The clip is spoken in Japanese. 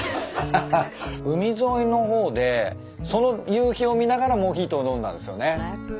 海沿いの方でその夕日を見ながらモヒートを飲んだんですよね。